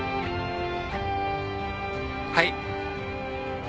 はい。